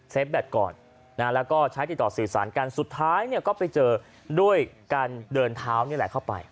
แบตก่อนแล้วก็ใช้ติดต่อสื่อสารกันสุดท้ายเนี่ยก็ไปเจอด้วยการเดินเท้านี่แหละเข้าไป